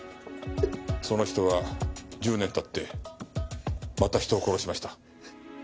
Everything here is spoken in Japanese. その人は１０年経ってまた人を殺しました。